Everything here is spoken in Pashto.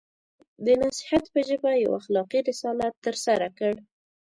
د نصیحت په ژبه یو اخلاقي رسالت ترسره کړ.